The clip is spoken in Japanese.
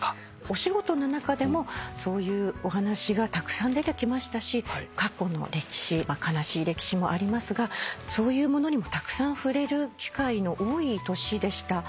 お仕事の中でもそういうお話がたくさん出てきましたし過去の歴史かなしい歴史もありますがそういうものにもたくさん触れる機会の多い年でした。